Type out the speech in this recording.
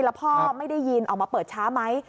แล้วพ่อไม่ได้ยินออกมาเปิดช้าไหม